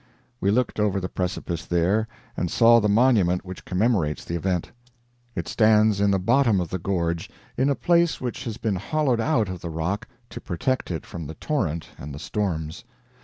We looked over the precipice there, and saw the monument which commemorates the event. It stands in the bottom of the gorge, in a place which has been hollowed out of the rock to protect it from the torrent and the storms.